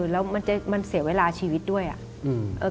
แล้วมันจะเสียเวลาชีวิตด้วยอะ